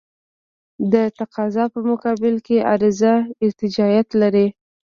د تقاضا په مقابل کې عرضه ارتجاعیت لري.